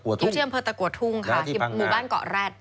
ยูเชียมเพิร์ตะกัวทุ่งค่ะหมู่บ้านเกาะแรด